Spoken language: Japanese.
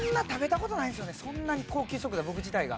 そんなに高級食材僕自体が。